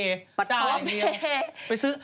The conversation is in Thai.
พร้อมเพย์จ่ายเดี๋ยวไปซื้อ